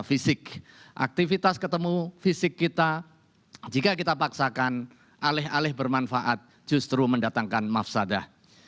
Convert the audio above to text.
fisik aktivitas ketemu fisik kita jika kita paksakan alih alih bermanfaat justru mendatangkan mafsadah